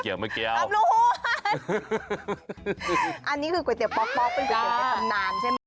อันนี้คือก๋วยเตี๋ยวป๊อกเป็นก๋วยเตี๋ยวในสำนานใช่ไหม